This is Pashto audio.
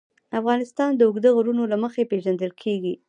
افغانستان د اوږده غرونه له مخې پېژندل کېږي.